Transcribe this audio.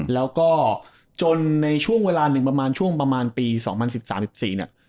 แล้วก็จนในช่วงเวลาหนึ่งประมาณช่วงประมาณปี๒๐๑๓๑๔เนี่ย